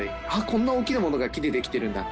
こんな大きなものが木でできてるんだ。